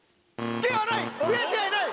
ではない！